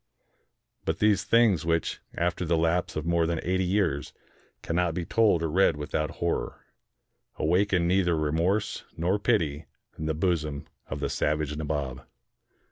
But these things which, after the lapse of more than eighty years, cannot be told or read without horror, awakened neither remorse nor pity in the bosom of the savage Nabob.